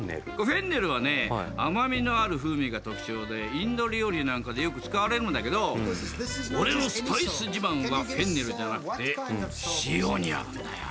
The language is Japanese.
フェンネルはね甘みのある風味が特徴でインド料理なんかでよく使われるんだけど俺のスパイス自慢はフェンネルじゃなくて塩にあるんだよ。